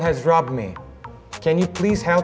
seseorang telah menghimpakan saya